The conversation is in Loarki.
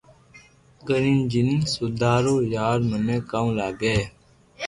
ڪرين جن سوڙاو يار مني ڪاو لاگي